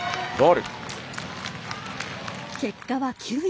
結果は９位。